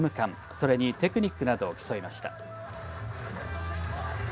それにテクニックなどを競いました。